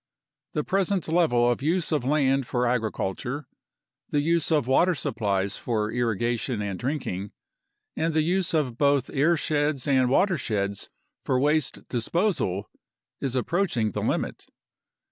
The present level of use of land for agriculture, the use of water supplies for irrigation and drinking, and the use of both airsheds and watersheds for waste disposal is approach ing the limit.